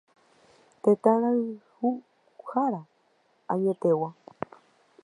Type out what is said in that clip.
Tetãrayhuhára añetegua.